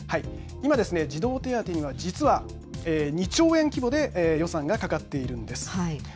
今ですね、児童手当には実は２兆円規模で予算がかかっているんです。